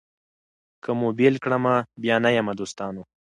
که مو بېل کړمه بیا نه یمه دوستانو